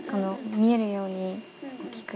見えるように大きく。